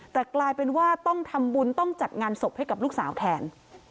แต่กลายเป็นว่าต้องทำบุญต้องจัดงานศพให้กับลูกสาวแทน